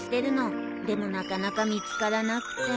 でもなかなか見つからなくて。